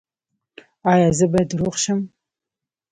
ایا زه باید روغ شم؟